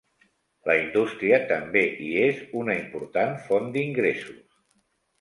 La indústria també hi és una important font d'ingressos.